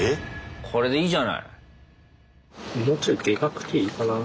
これでいいじゃない。